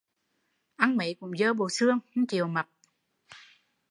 Ăn mấy cũng dơ bộ xương, không chịu mập